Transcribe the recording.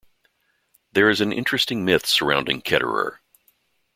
There is an interesting myth surrounding Ketterer.